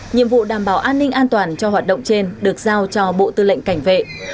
nhiệm vụ đảm bảo an ninh an toàn cho hoạt động trên được giao cho bộ tư lệnh cảnh vệ